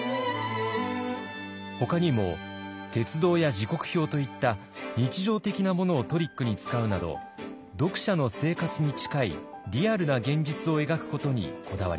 ほかにも鉄道や時刻表といった日常的なものをトリックに使うなど読者の生活に近いリアルな現実を描くことにこだわりました。